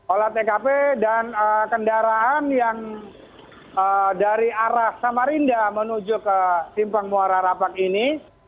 olah tkp dan kendaraan yang dari arah samarinda menuju ke simpang muara rapak ini